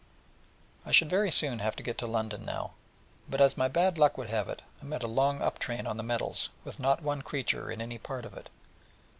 I should very soon have got to London now, but, as my bad luck would have it, I met a long up train on the metals, with not one creature in any part of it.